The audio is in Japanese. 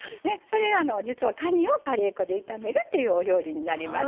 実はかにをカレー粉で炒めるっていうお料理になります。